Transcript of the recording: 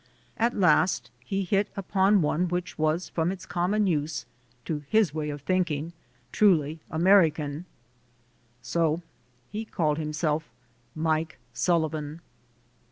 At last he hit upon one which was from its common use, to his way of thinking, truly American. So he called himself "Mike Sullivan."